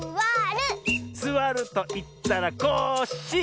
「すわるといったらコッシー！」